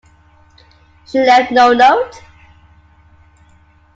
She left no note.